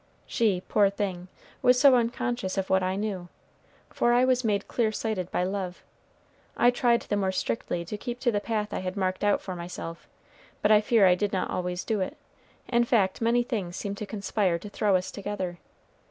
She, poor thing, was so unconscious of what I knew, for I was made clear sighted by love. I tried the more strictly to keep to the path I had marked out for myself, but I fear I did not always do it; in fact, many things seemed to conspire to throw us together.